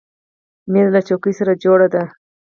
مېز له چوکۍ سره جوړه ده.